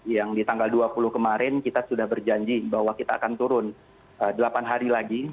yang di tanggal dua puluh kemarin kita sudah berjanji bahwa kita akan turun delapan hari lagi